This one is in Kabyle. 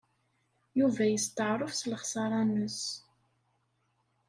Yuba yesteɛṛef s lexṣara-nnes.